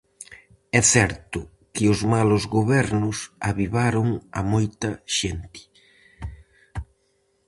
É certo que os malos gobernos avivaron a moita xente.